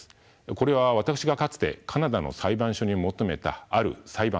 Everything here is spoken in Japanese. これは私がかつてカナダの裁判所に求めたある裁判の記録です。